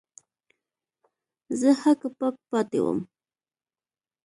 زه هک پک پاتې وم.